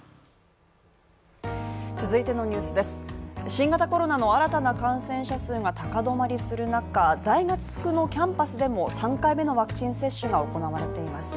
新型コロナの新たな感染者数が高止まりする中大学のキャンパスでも３回目のワクチン接種が行われています。